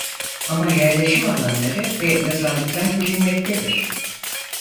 Ama yerleşim alanları ve mezarlıklar bilinmektedir.